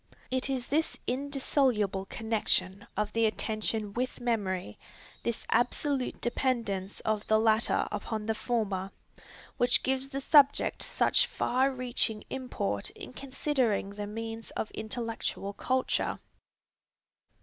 It is this indissoluble connection of the attention with memory, this absolute dependence of the latter upon the former, which gives the subject such far reaching import in considering the means of intellectual culture.